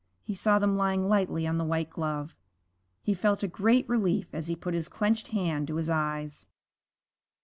He saw them lying lightly on the white glove. He felt a great relief as he put his clenched hand to his eyes.